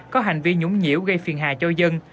có hành vi nhúng nhiễu gây phiền hại cho dân